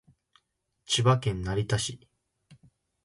千葉県成田市